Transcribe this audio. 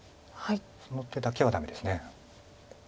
その手だけはダメです。